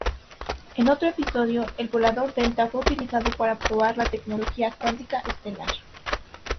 En otro episodio, el Volador Delta fue utilizado para probar la tecnología cuántica estelar.